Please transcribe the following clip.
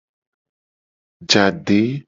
Je ade.